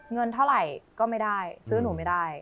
เงินเท่าไหร่ก็ไม่ได้ซื้อหนูไม่ได้